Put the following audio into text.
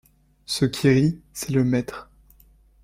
Ce qui rit, c’est le maître.